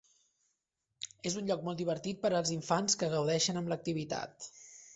És un lloc molt divertit per als infants que gaudeixen amb l'activitat.